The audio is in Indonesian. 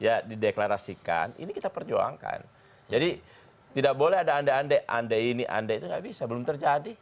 ya dideklarasikan ini kita perjuangkan jadi tidak boleh ada anda andai andai ini andai itu nggak bisa belum terjadi